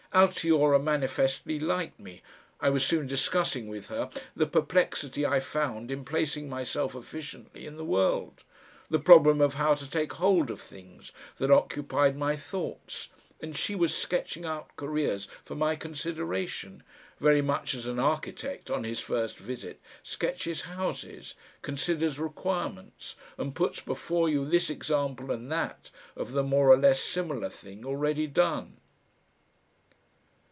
Altiora manifestly liked me, I was soon discussing with her the perplexity I found in placing myself efficiently in the world, the problem of how to take hold of things that occupied my thoughts, and she was sketching out careers for my consideration, very much as an architect on his first visit sketches houses, considers requirements, and puts before you this example and that of the more or less similar thing already done....